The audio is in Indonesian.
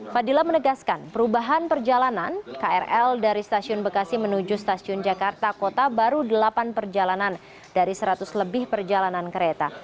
fadila menegaskan perubahan perjalanan krl dari stasiun bekasi menuju stasiun jakarta kota baru delapan perjalanan dari seratus lebih perjalanan kereta